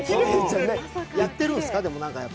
何かやってるんですか？